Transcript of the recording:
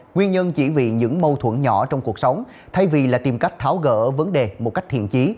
nguyên nhân chỉ vì những mâu thuẫn nhỏ trong cuộc sống thay vì là tìm cách tháo gỡ vấn đề một cách thiện trí